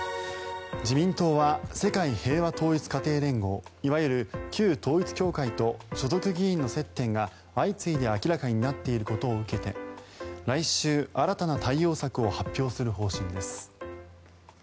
自民党は世界平和統一家庭連合いわゆる旧統一教会と所属議員の接点が相次いで明らかになっていることを受けて来週、新たな対応策を発表する方針です。